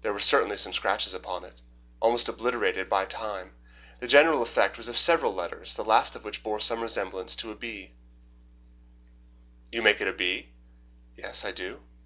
There were certainly some scratches upon it, almost obliterated by time. The general effect was of several letters, the last of which bore some resemblance to a B. "You make it a B?" "Yes, I do."